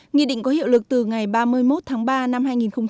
nghị định có hiệu lực từ ngày ba mươi một tháng ba năm hai nghìn hai mươi